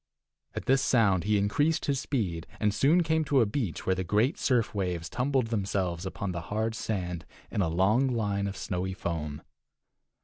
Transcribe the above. At this sound he increased his speed, and soon came to a beach where the great surf waves tumbled themselves upon the hard sand in a long line of snowy foam.